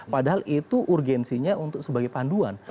padahal itu urgensinya untuk sebagai panduan